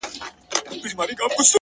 • کرشمه ده زما د حسن چي جوړېږي محلونه ,